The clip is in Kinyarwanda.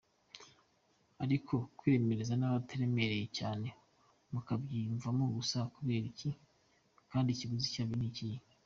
Ariko kwiremereza n’ abataremereye cyane bakabyiyumvamo gusa kubera iki? Kandi ikiguzi cyabyo ni ikihe?”.